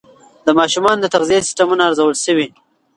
د ماشومانو د تغذیې سیستمونه ارزول شوي.